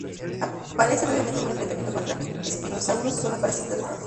Aparece brevemente en un enfrentamiento contra el "Spinosaurus", sólo para ser derrotado.